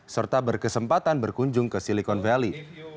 serta berkesempatan berkunjung ke silicon valley